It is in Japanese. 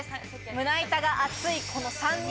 胸板が厚い、この３人。